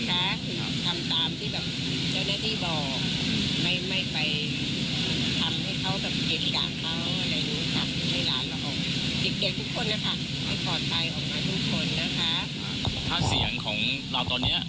ให้ปลอดภัยออกมาทุกคนนะคะถ้าเสียงของเราตอนเนี้ย